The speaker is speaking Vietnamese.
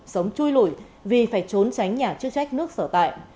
sống chui lủi vì phải trốn tránh nhà chức trách nước sở tại